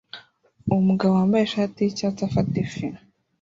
Umugabo wambaye ishati yicyatsi afata ifi